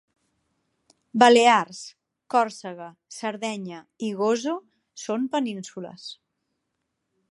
Balears, Còrsega, Sardenya i Gozo són penínsules